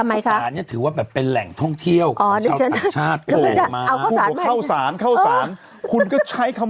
อ่ะอยู่ดีพูดมา